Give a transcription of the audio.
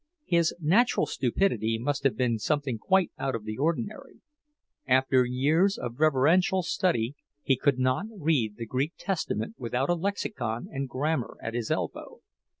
His natural stupidity must have been something quite out of the ordinary; after years of reverential study, he could not read the Greek Testament without a lexicon and grammar at his elbow.